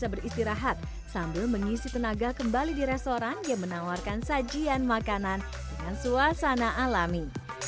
bisa beristirahat sambil mengisi tenaga kembali di restoran yang menawarkan sajian makanan dengan suasana alami